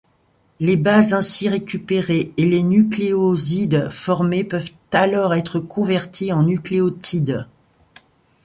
Les bases ainsi récupérées et les nucléosides formés peuvent alors être convertis en nucléotides.